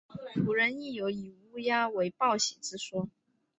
古人亦有以乌鸦为报喜之说。